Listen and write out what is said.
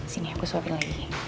sini aku suapin lagi